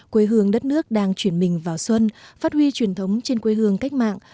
quê hương đất nước đang chuyển mình vào xuân phát huy truyền thống trên quê hương cách mạng